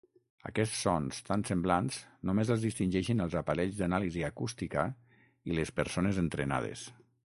Aquests sons tan semblants només els distingeixen els aparells d'anàlisi acústica i les persones entrenades.